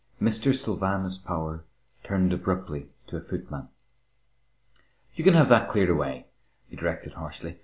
Mr. Sylvanus Power turned abruptly to a footman. "You can have that cleared away," he directed harshly.